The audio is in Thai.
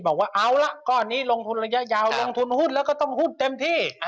บอกว่าเอาละก้อนนี้ลงทุนระยะยาวลงทุนหุ้นแล้วก็ต้องหุ้นเต็มที่